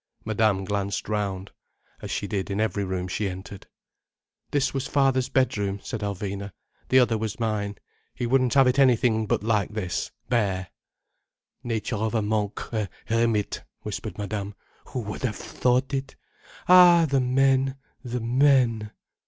Madame glanced round, as she did in every room she entered. "This was father's bedroom," said Alvina. "The other was mine. He wouldn't have it anything but like this—bare." "Nature of a monk, a hermit," whispered Madame. "Who would have thought it! Ah, the men, the men!"